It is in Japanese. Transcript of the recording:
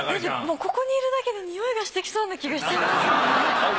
ここにいるだけでにおいがしてきそうな気がしちゃいますもんね。